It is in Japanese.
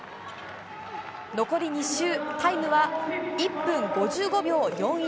残り２周、タイムは１分５５秒４１。